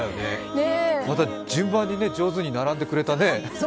また順番に上手に並んでくれたね。